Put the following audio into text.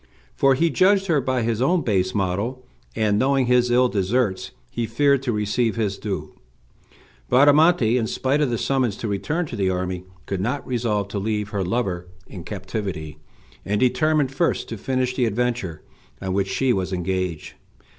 For he judged her by his own base model, and, knowing his ill deserts, he feared to receive his due. Bradamante, in spite of the summons to return to the army, could not resolve to leave her lover in captivity, and determined first to finish the adventure on which she was engaged.